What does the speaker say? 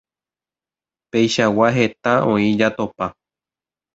Peichagua heta oĩ jatopa.